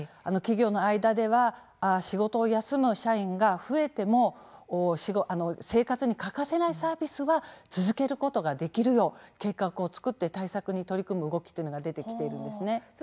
企業の間では仕事を休む社員が増えても生活に欠かせないサービスは続けることができるよう計画を作って対策に取り組む動きというのが出てきているんです。